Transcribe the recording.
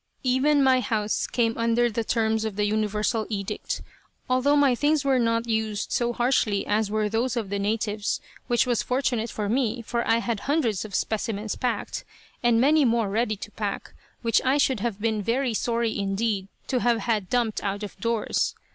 Even my house came under the terms of the universal edict, although my things were not used so harshly as were those of the natives, which was fortunate for me, for I had hundreds of specimens packed, and many more ready to pack, which I should have been very sorry indeed to have had dumped out of doors.